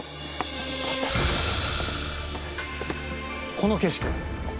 この景色。